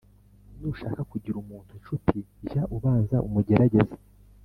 Nushaka kugira umuntu incuti, jya ubanza umugerageze